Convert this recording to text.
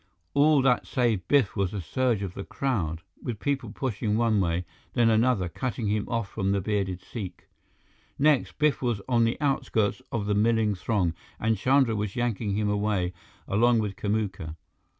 All that saved Biff was a surge of the crowd, with people pushing one way, then another, cutting him off from the bearded Sikh. Next, Biff was on the outskirts of the milling throng, and Chandra was yanking him away, along with Kamuka.